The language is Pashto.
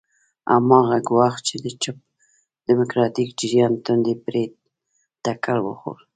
هماغه ګواښ چې د چپ ډیموکراتیک جریان تندی پرې ټکر وخوړ.